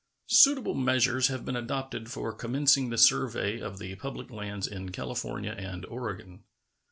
Suitable measures have been adopted for commencing the survey of the public lands in California and Oregon.